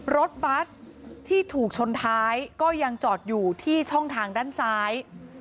รถบัสที่ถูกชนท้ายก็ยังจอดอยู่ที่ช่องทางด้านซ้าย